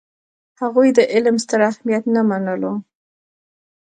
هغوی د علم ستر اهمیت نه منلو.